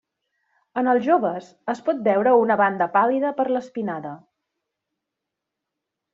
En els joves es pot veure una banda pàl·lida per l'espinada.